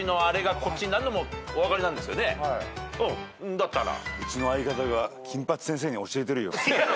だったら。